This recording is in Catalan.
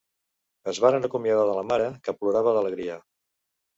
Es varen acomiadar de la mare, que plorava d'alegria